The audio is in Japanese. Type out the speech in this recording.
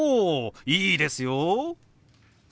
いいですよ！